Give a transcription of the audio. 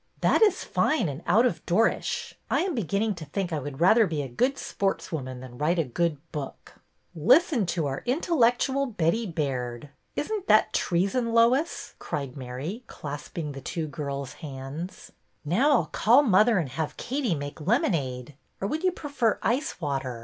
That is fine and out of doorish. I am be ginning to think I would rather be a good sports woman than write a good book." '' Listen to our intellectual Betty Baird ! Is n't that treason, Lois ?" cried Mary, clasping the two girls' hands. 124 BETTY BAIRD'S VENTURES Now, I 'll call mother and have Katie make lemonade. Or would you prefer ice water